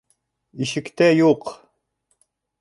Ишектә юҡ.